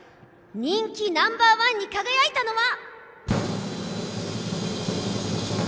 人気ナンバーワンに輝いたのは。